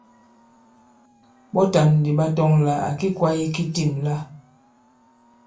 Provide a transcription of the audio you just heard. Ɓɔtàm ndì ɓa tɔŋ àlà ki kwāye ki tîm la.